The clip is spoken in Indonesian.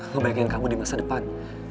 ngebayangin kamu di masa depan